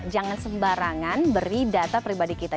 jangan sembarangan beri data pribadi kita